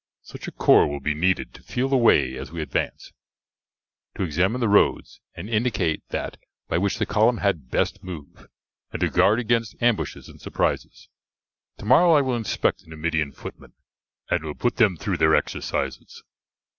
"Such a corps will be needed to feel the way as we advance, to examine the roads and indicate that by which the column had best move, and to guard against ambushes and surprises. Tomorrow I will inspect the Numidian footmen and will put them through their exercises.